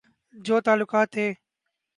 جو تعلقات تھے۔